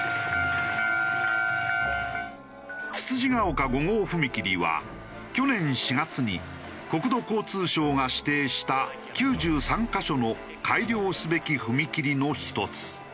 つつじヶ丘５号踏切は去年４月に国土交通省が指定した９３カ所の「改良すべき踏切」の一つ。